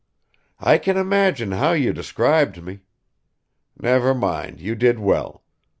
"I can imagine how you described me! Never mind, you did well.